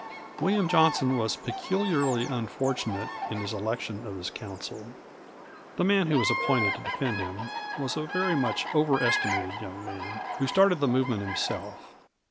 William Johnson was peculiarly unfortunate in the election of his counsel. The man who was appointed to defend him was a very much overestimated young man who started the movement himself.